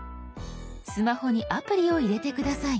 スマホにアプリを入れて下さい。